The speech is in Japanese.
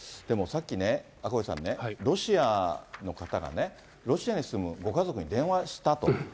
でもさっきね、赤星さんね、ロシアの方がね、ロシアに住むご家族に電話したと。